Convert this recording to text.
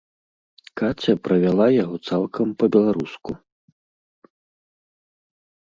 Каця правяла яго цалкам па-беларуску.